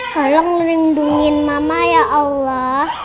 tolong lindungi mama ya allah